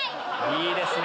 いいですね。